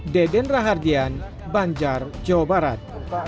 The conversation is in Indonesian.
deden rahardian banjar jawa barat